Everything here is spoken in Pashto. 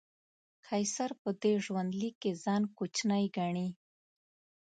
قیصر په دې ژوندلیک کې ځان کوچنی ګڼي.